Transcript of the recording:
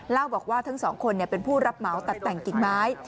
เล่าบอกว่าทั้งสองคนเป็นผู้รับเหมาตัดแต่งกิ่งไม้